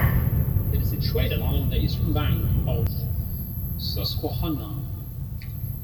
It is situated along the eastern bank of the Susquehanna.